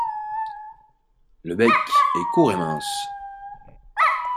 Le bec est court et mince.